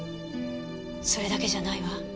それだけじゃないわ。